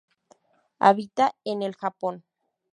Habita en el Japón.